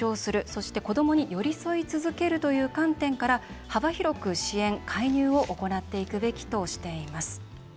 そして子どもに寄り添い続けるという観点から幅広く支援、介入を行っていくべきとしています。